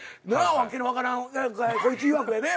わけの分からんこいついわくやで。